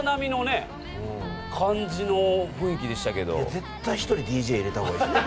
絶対１人ＤＪ入れた方がいいですね。